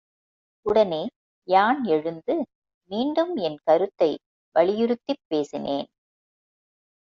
உடனே யான் எழுந்து மீண்டும் என் கருத்தை வலியுறுத்திப் பேசினேன்.